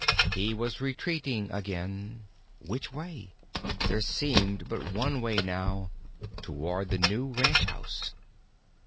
He was retreating again which way? There seemed but one way now toward the new ranch house.